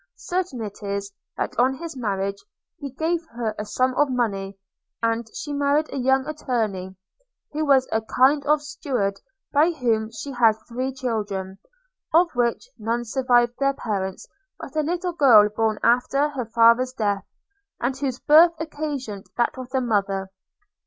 Certain it is, that on his marriage he gave her a sum of money, and she married a young attorney, who was a kind of steward, by whom she had three children; of which none survived their parents but a little girl born after her father's death; and whose birth occasioned that of her mother.